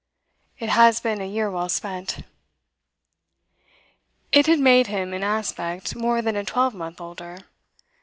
It has been a year well spent.' It had made him, in aspect, more than a twelve month older.